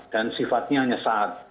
dan sifatnya hanya saat